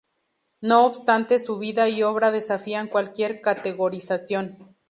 No obstante, su vida y obra desafían cualquier categorización.